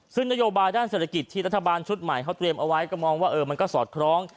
ซึ่งนโยบายด้านเศรษฐกิจที่รัฐบาลชุดใหม่เขาเตรียมเอาไว้ก็มองว่ามันก็สอดคล้อง